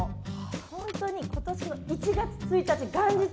本当に今年の１月１日